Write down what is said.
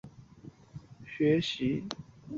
这使得他能继续在柏林音乐高校学习。